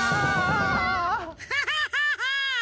ハハハハ！